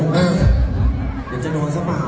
เดี๋ยวจะโดนสม่า